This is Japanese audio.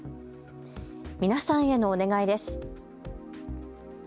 皆さんへのお願いです。